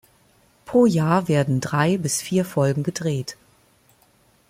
Pro Jahr werden drei bis vier Folgen gedreht.